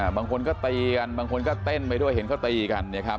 บางคนก็ตีกันบางคนก็เต้นไปด้วยเห็นเขาตีกัน